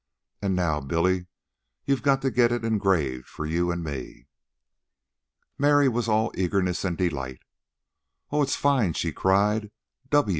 And now, Billy, you've got to get it engraved for you and me." Mary was all eagerness and delight. "Oh, it's fine," she cried.